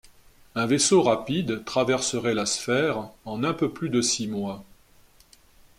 Un vaisseau rapide traverserait la Sphère en un peu plus de six mois.